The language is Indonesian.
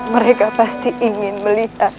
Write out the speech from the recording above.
mereka pasti ingin melihat